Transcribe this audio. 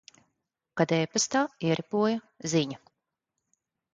Kad e-pastā ieripoja ziņa.